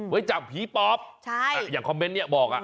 ไว้จับผีปอบอย่างคอมเมนต์นี้บอกเออใช่